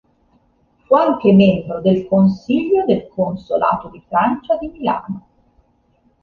Fu anche membro del consiglio del Consolato di Francia di Milano.